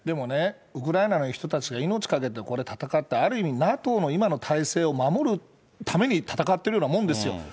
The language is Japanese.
でもね、ウクライナの人たちが命懸けて戦って、ある意味、ＮＡＴＯの今の体制を守るために戦ってるようなもんですよ。